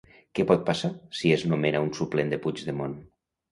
Què pot passar si es nomena un suplent de Puigdemont?